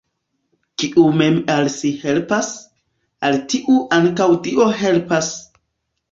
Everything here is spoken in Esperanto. Kiu mem al si helpas, al tiu ankaŭ Dio helpas!